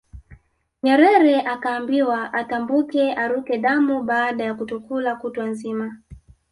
Nyerere akaambiwa atambuke aruke damu baada ya kutokula kutwa nzima